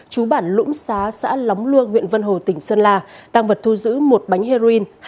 chú bản lũng xá xã lóng luông huyện vân hồ tỉnh sơn la tăng vật thu giữ một bánh heroin